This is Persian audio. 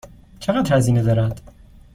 چقدر هزینه دارد؟